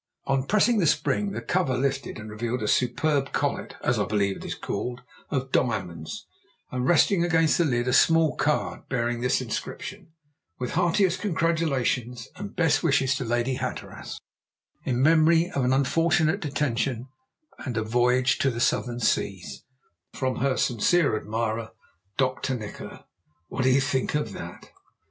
On pressing the spring the cover lifted and revealed a superb collet as I believe it is called of diamonds, and resting against the lid a small card bearing this inscription: _"With heartiest congratulations and best wishes to Lady Hatteras, in memory of an unfortunate detention and a voyage to the Southern Seas,_ "From her sincere admirer, "Dr. Nikola." What do you think of that?